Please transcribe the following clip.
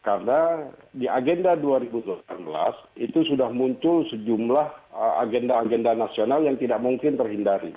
karena di agenda dua ribu delapan belas itu sudah muncul sejumlah agenda agenda nasional yang tidak mungkin terhindari